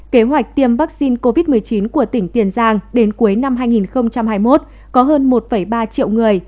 kế hoạch tiêm vaccine covid một mươi chín của tỉnh tiền giang đến cuối năm hai nghìn hai mươi một có hơn một ba triệu người